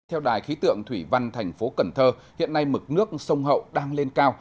theo đài khí tượng thủy văn thành phố cần thơ hiện nay mực nước sông hậu đang lên cao